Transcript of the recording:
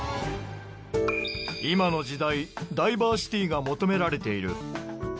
今の時代ダイバーシティが求められている。